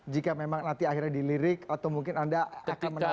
jika memang nanti akhirnya dilirik atau mungkin anda akan menawarkan